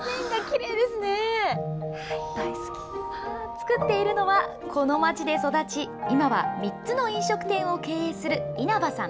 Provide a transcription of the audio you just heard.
作っているのは、この街で育ち、今は３つの飲食店を経営する稲葉さん